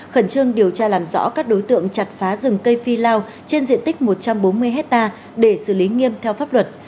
khẩn trương điều tra làm rõ các đối tượng chặt phá rừng cây phi lao trên diện tích một trăm bốn mươi hectare để xử lý nghiêm theo pháp luật